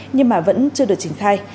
nhưng mà vẫn chưa được trình khai